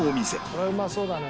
これうまそうだね。